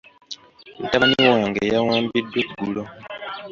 Mutabani wange yawambiddwa eggulo .